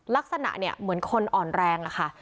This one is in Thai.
ลักษณะเนี่ยเหมือนคนอ่อนแรงอะค่ะ